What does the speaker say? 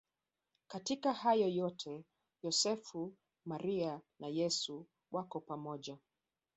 Katika hayo yote Yosefu, Maria na Yesu wako pamoja.